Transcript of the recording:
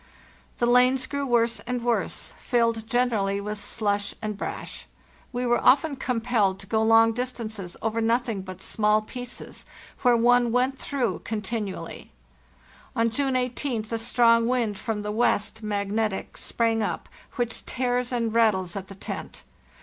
The lanes grew worse and worse, filled generally with slush and brash. We were often compelled to go long distances over nothing but small pieces, where one went through continually. On June 18th "a strong wind from the west (magnetic) sprang up, which tears and rattles at the tent.